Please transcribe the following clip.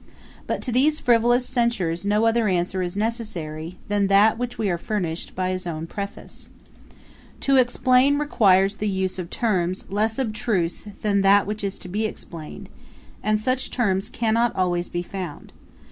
But to these frivolous censures no other answer is necessary than that with which we are furnished by his own Preface. [Page 294: Humorous definitions. A.D. 1755.] 'To explain, requires the use of terms less abstruse than that which is to be explained, and such terms cannot always be found.